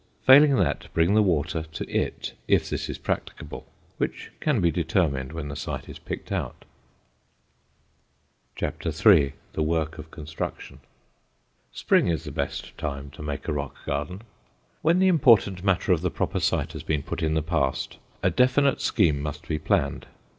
Failing that, bring the water to it, if this is practicable; which can be determined when the site is picked out. THE WORK OF CONSTRUCTION Spring is the best time to make a rock garden. When the important matter of the proper site has been put in the past, a definite scheme must be planned.